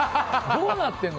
どうなってるの？